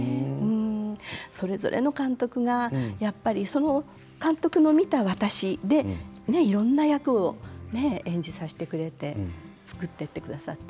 それぞれの監督がやっぱりその監督が見た私でいろいろな役を演じさせてくれて作ってくださって。